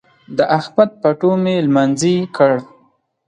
د احمد پټو مې لمانځي کړ.